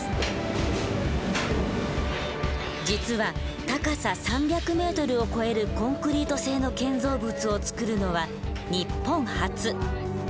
実は高さ３００ｍを超えるコンクリート製の建造物を造るのは日本初。